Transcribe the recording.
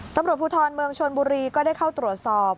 ตำรวจภูทรเมืองชนบุรีก็ได้เข้าตรวจสอบ